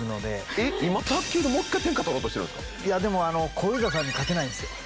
いやでも小遊三さんに勝てないんですよ。